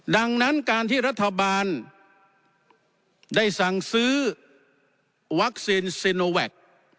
ดังนั้นการที่รัฐบาลได้สั่งซื้อวัคซีนเซโนแวค